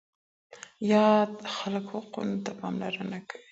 يا د خلکو حقوقو ته پاملرنه کوي،